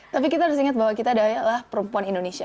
tapi kita harus ingat bahwa kita adalah perempuan indonesia